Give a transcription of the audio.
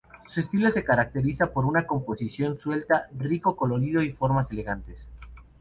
Su estilo se caracteriza por una composición suelta, rico colorido y formas elegantes.